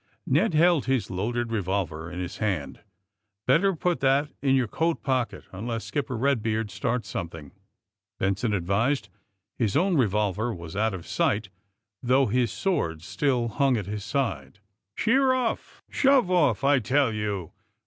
Ned held his loaded revolver in his hand. ^^ Better pnt that in your coat pocket, unless Skipper Eedbeard starts something," Benson advised. His own revolver was out of sight, though his sword still hung at his side. ^^ Sheer otf! Shove off, I tell you!"